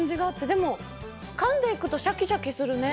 でもかんでいくとシャキシャキするね。